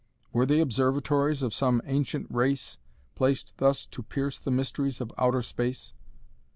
Were they observatories of some ancient race, placed thus to pierce the mysteries of outer space?